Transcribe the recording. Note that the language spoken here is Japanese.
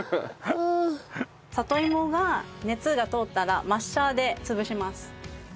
里芋が熱が通ったらマッシャーで潰します。